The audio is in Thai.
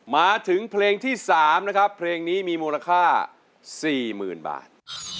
มาถึงเพลงที่๓นะครับเพลงนี้มีมูลค่า๔๐๐๐บาท